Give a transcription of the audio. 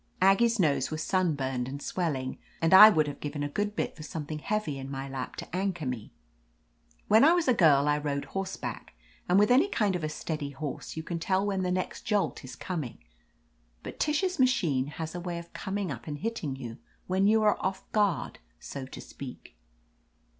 Aggie's nose was sunburned and swelling, and I would have given a good bit for something heavy in my lap to anchor me. When I was a girl I rode horseback, and with any kind of a steady horse you can tell when the next jolt is coming; but Tish's ma chine has a way of coming up and hitting you when you are off guard, so to speak.